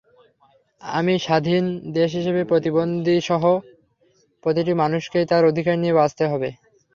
একটি স্বাধীন দেশ হিসেবে প্রতিবন্ধীসহ প্রতিটি মানুষকেই তাদের অধিকার নিয়ে বাঁচতে হবে।